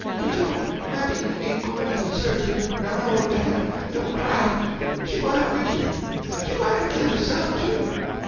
But yo' mammy ain't gwine to desert you no, no; dah, don't cry she gwine wid you, she gwine to kill herself too.